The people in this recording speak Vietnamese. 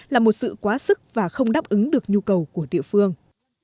là một sự quá sức và không đáp ứng được nhu cầu của địa phương